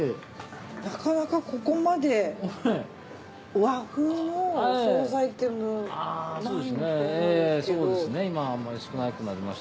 なかなかここまで和風のお総菜ってないと思うんですけど。